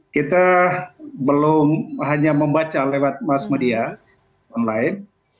kita belum hanya membaca lewat mas media online